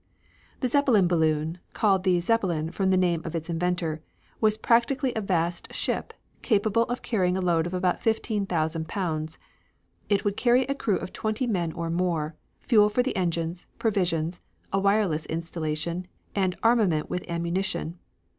The Zeppelin balloon, called the Zeppelin from the name of its inventor, was practically a vast ship, capable of carrying a load of about fifteen thousand pounds. It would carry a crew of twenty men or more, fuel for the engines, provisions, a wireless installation, and armament with ammunition.